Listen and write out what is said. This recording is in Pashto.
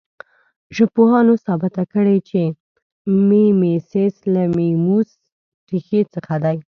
ژبپوهانو ثابته کړې چې میمیسیس له میموس ریښې څخه دی